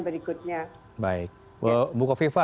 berikutnya baik bu kofifa